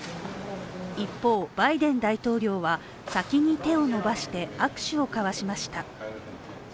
一方、バイデン大統領は先に手を伸ばして握手を交わしました。